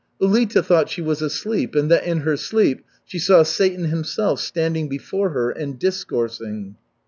Ulita thought she was asleep and that in her sleep she saw Satan himself standing before her and discoursing.